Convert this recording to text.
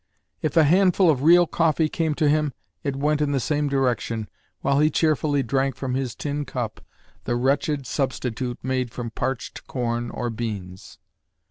If a handful of real coffee came to him, it went in the same direction, while he cheerfully drank from his tin cup the wretched substitute made from parched corn or beans.